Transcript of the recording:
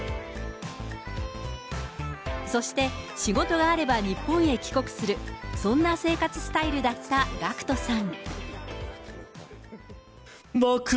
そして、仕事があれば日本へ帰国する、そんな生活スタイルだったＧＡＣＫＴさん。